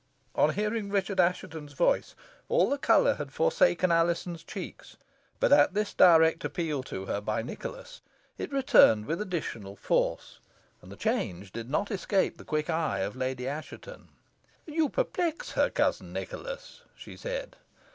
On hearing Richard Assheton's voice, all the colour had forsaken Alizon's cheeks; but at this direct appeal to her by Nicholas, it returned with additional force, and the change did not escape the quick eye of Lady Assheton. "You perplex her, cousin Nicholas," she said.